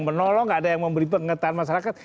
menolong ada yang memberi pengetahuan masyarakat